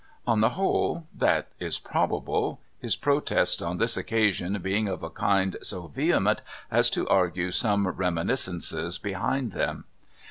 On the whole, that is probable, his protests on this occasion being of a kind so vehement as to argue some reminiscences behind them.